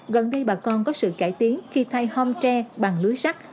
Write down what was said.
gần đây bà con có sự cải tiến khi thay hom tre bằng lưới sắt